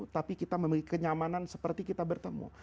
tapi kita memiliki kenyamanan seperti kita bertemu